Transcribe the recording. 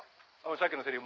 さっきのセリフ